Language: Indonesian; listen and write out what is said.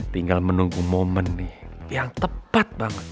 tinggal menunggu momen nih yang tepat banget